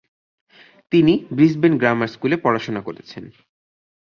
তিনি Brisbane grammar স্কুলে পড়াশোনা করেছেন।